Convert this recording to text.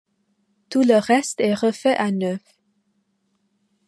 Tout le reste est refait à neuf.